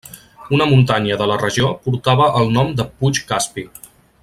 Una muntanya de la regió portava el nom de puig Caspi.